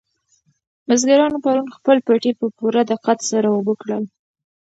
بزګرانو پرون خپل پټي په پوره دقت سره اوبه کړل.